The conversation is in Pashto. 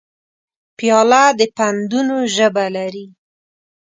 پیاله د پندونو ژبه لري.